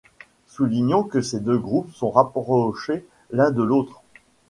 Soulignons que ces deux groupes sont rapprochés l'un de l'autre.